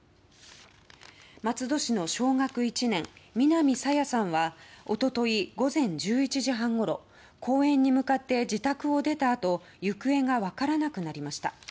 松戸市の小学１年、南朝芽さんは一昨日午前１１時半ごろ公園に向かって自宅を出たあと行方が分からなくなりました。